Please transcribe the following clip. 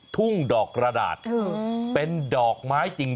ทุ่งดอกกระดาษเป็นดอกไม้จริง